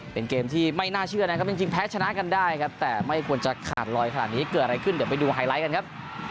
เป็นเกมที่ไม่น่าเชื่อนะครับจริงแพ้ชนะกันได้ครับแต่ไม่ควรจะขาดลอยขนาดนี้เกิดอะไรขึ้นเดี๋ยวไปดูไฮไลท์กันครับ